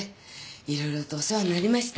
いろいろとお世話になりました。